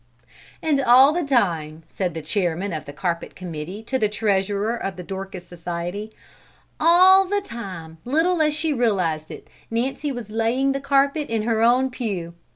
"And all the time," said the chairman of the carpet committee to the treasurer of the Dorcas Society "all the time, little as she realized it, Nancy was laying the carpet in her own pew.